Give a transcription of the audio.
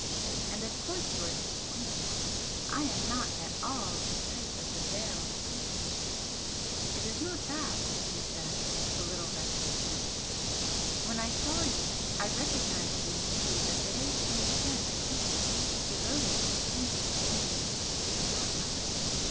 And of course you are disappointed. I am not at all a type of the veiled priestess." "It is not that," he said, with a little vexation "When I saw you I recognised you to be a very transparent creature, devoted to innocent dreams which are not life.